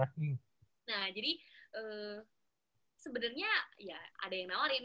nah jadi sebenarnya ya ada yang nawarin